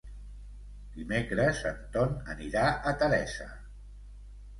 Dimecres en Ton anirà a Teresa.